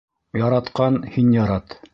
Яратҡан, һин ярат.